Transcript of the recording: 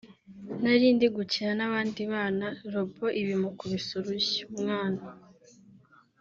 nari ndi gukina n’abandi bana (Robot iba imukubise urushyi) Umwana